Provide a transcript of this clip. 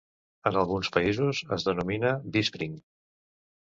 En alguns països, es denomina Vispring.